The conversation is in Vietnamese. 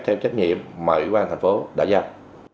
theo trách nhiệm mà ủy ban thành phố đã giao